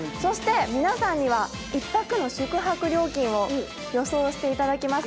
皆さんには１泊の宿泊料金を予想していただきます。